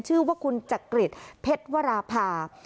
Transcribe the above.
ชื่อว่าคุณจักริจเพชรวราภา